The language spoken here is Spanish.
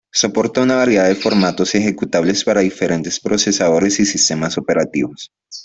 Soporta una variedad de formatos ejecutables para diferentes procesadores y sistemas operativos.